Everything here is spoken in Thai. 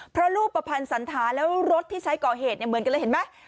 เพราะรูปประพันธ์สันทานและรถที่ใช้ก่อเหตุเหมือนกันเลยเห็นมั้ย